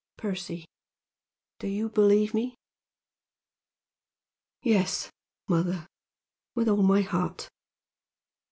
Percy, do you believe me?" "Yes, mother, with all my heart."